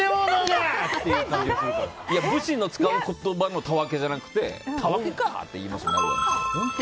いや、武士の使う言葉のたわけじゃなくてたわけか！って言いますよ。